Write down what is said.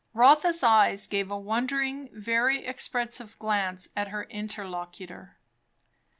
Rotha's eyes gave a wondering, very expressive, glance at her interlocutor.